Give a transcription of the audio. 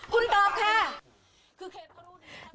คุณตอบค่ะ